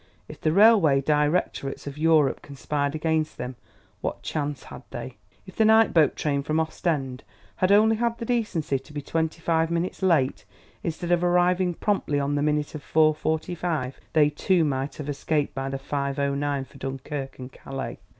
If the railway directorates of Europe conspired against them, what chance had they? If the night boat train from Ostend had only had the decency to be twenty five minutes late, instead of arriving promptly on the minute of 4:45 they two might have escaped by the 5:09 for Dunkerque and Calais.